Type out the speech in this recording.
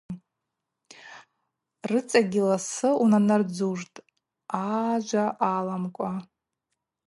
Рыцӏагьи ласы унанардзуштӏ, ажва аламкӏва.